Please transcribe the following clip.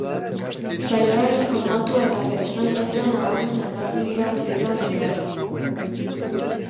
Saioaren formatua eta pertsonai taldea nabarmen aldatu dira urteetan zehar.